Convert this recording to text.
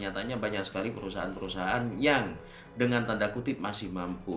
nyatanya banyak sekali perusahaan perusahaan yang dengan tanda kutip masih mampu